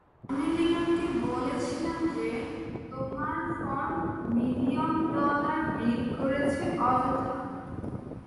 আমি লিনেটকে বলেছিলাম যে তোমার ফার্ম মিলিয়ন ডলার বিল করছে অযথা!